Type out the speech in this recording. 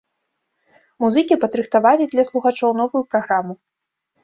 Музыкі падрыхтавалі для слухачоў новую праграму.